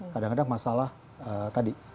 kadang kadang masalah tadi